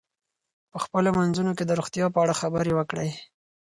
په خپلو منځونو کې د روغتیا په اړه خبرې وکړئ.